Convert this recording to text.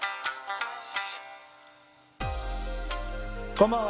こんばんは。